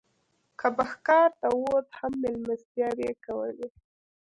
که به ښکار ته ووت هم مېلمستیاوې یې کولې.